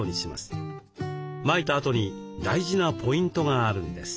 まいたあとに大事なポイントがあるんです。